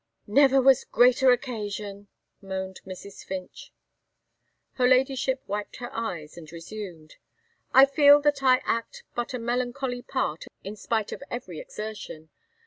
"Never was greater occasion!" moaned Mrs_._ Finch. Her Ladyship wiped her eyes, and resumed. "I feel that I act but a melancholy part, in spite of every exertion.